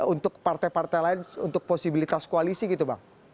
untuk partai partai lain untuk posibilitas koalisi gitu bang